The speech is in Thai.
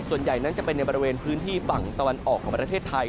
ส่วนใหญ่นั้นจะเป็นในบริเวณพื้นที่ฝั่งตะวันออกของประเทศไทย